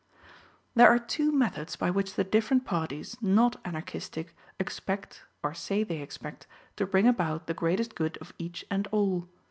There are two methods by which the different parties, not Anarchistic, expect, or say they expect, to bring about the greatest good of each and all.